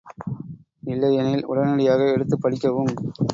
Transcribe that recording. இல்லையெனில் உடனடியாக எடுத்துப் படிக்கவும்.